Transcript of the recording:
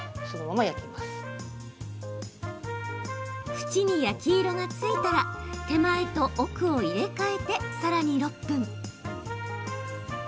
ふちに焼き色がついたら手前と奥を入れ替えてさらに６分。